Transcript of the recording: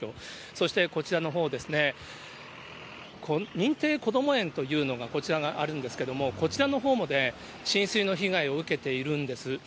そして、こちらのほうですね、認定こども園というのがこちらがあるんですけれども、こちらのほうも浸水の被害を受けているんです。